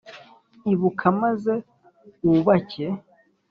ibuka, maze wubake.